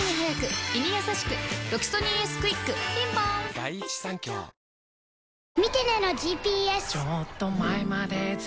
「ロキソニンＳクイック」ピンポーン問題です！